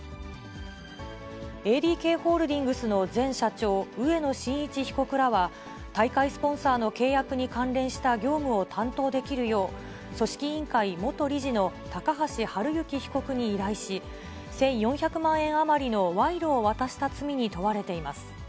ＡＤＫホールディングスの前社長、植野伸一被告らは大会スポンサーの契約に関連した業務を担当できるよう、組織委員会元理事の高橋治之被告に依頼し、１４００万円余りの賄賂を渡した罪に問われています。